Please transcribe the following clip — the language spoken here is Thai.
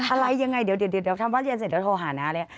อะไรยังไงเดี๋ยวพัฒนศรีเนินเสร็จเดี๋ยวโทรหาหน้าเลย